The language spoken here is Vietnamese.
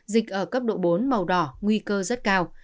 dịch ở cấp độ bốn màu đỏ nguy cơ rất cao